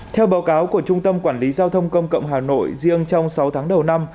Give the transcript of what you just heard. theo báo cáo của trung tâm quản lý giao thông công cộng hà nội riêng trong sáu tháng đầu năm